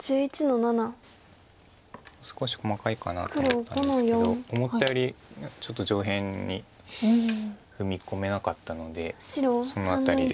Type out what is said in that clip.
もう少し細かいかなと思ったんですけど思ったよりちょっと上辺に踏み込めなかったのでその辺りで。